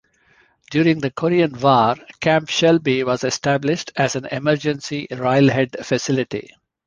During the Korean War, Camp Shelby was established as an emergency railhead facility.